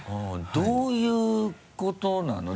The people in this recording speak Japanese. どういうことなの？